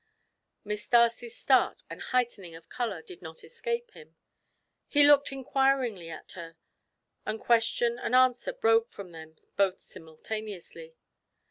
Miss Darcy's start and heightening of colour did not escape him; he looked inquiringly at her, and question and answer broke from them both simultaneously.